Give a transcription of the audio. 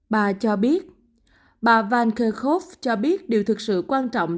bà cho biết bà van kerkhove cho biết điều thực sự quan trọng